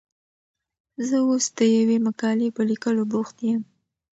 زه اوس د یوې مقالې په لیکلو بوخت یم.